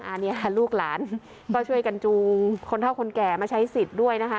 อันนี้ลูกหลานก็ช่วยกันจูงคนเท่าคนแก่มาใช้สิทธิ์ด้วยนะคะ